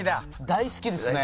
大好きですね。